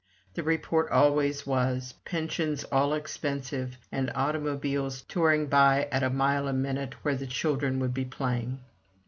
The report always was: pensions all expensive, and automobiles touring by at a mile a minute where the children would be playing.